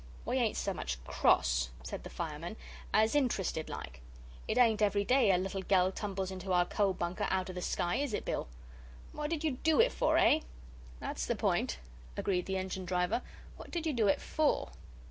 "We ain't so much CROSS," said the fireman, "as interested like. It ain't every day a little gell tumbles into our coal bunker outer the sky, is it, Bill? What did you DO it for eh?" "That's the point," agreed the engine driver; "what did you do it FOR?"